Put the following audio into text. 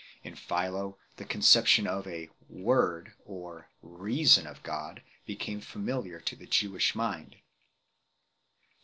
In Philo the conception of a "Word" or "Reason" of God became familiar to the Jewish mind 1 .